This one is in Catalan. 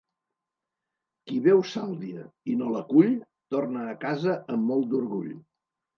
Qui veu sàlvia i no la cull, torna a casa amb molt d'orgull.